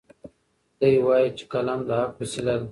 دی وایي چې قلم د حق وسیله ده.